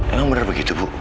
enggak bener begitu bu